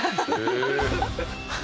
ハハハハ！